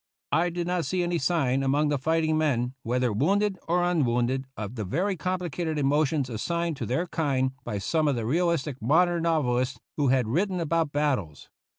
I did not see any sign among the fighting men, whether wounded or unwounded, of the very complicated emotions assigned to their kind by some of the realistic modern novelists who have written about battles.